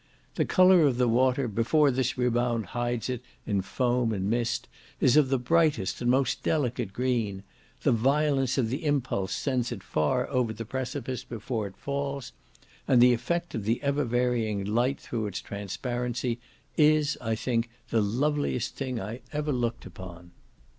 The colour of the water, before this rebound hides it in foam and mist, is of the brightest and most delicate green; the violence of the impulse sends it far over the precipice before it falls, and the effect of the ever varying light through its transparency is, I think, the loveliest thing I ever looked upon.